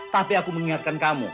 tapi aku mengingatkan kamu